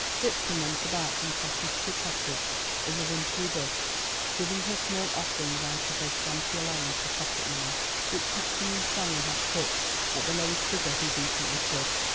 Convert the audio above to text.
Vixen went about from cottage to cottage, in the wintry dusk, giving her small offerings out of her scanty allowance of pocket money, which Captain Winstanley had put at the lowest figure he decently could.